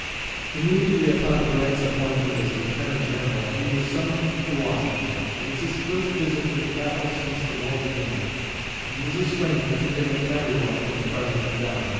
Immediately upon Grant's appointment as Lieutenant General, he was summoned to Washington. It was his first visit to the capital since the war began, and he was a stranger to nearly everyone from the President down.